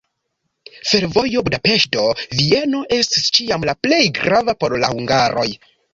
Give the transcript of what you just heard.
Fervojo Budapeŝto-Vieno estis ĉiam la plej grava por la hungaroj.